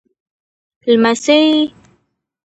لمسی د نوي ژوند نښه ده.